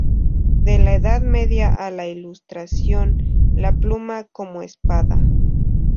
De la Edad Media a la Ilustración; "La pluma como espada".